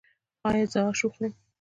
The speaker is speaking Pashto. ایا زه اش وخورم؟